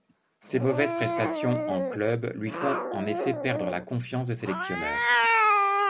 Ses mauvaises prestations en club lui font en effet perdre la confiance des sélectionneurs.